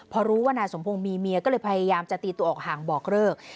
พอรู้ว่านายสมพงศ์มีเมียก็เลยพยายามจะตีตัวออกห่างบอกเลิก